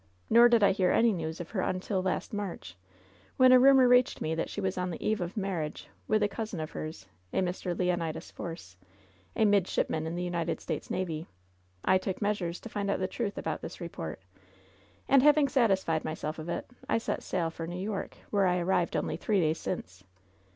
Nor did I hear any news of her un til last March, when a rumor reached me that she was on the eve of marriage with a cousin of hers, a Mr. Leonidas Force, a midshipman in the United States Navy. I took measures to find out the truth about this report, and having satisfied myself of it, I set sail for New York, where I arrived only three days since.